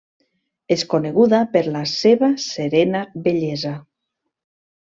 És coneguda per la seva serena bellesa.